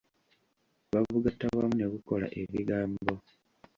Babugatta wamu ne bukola ebigambo.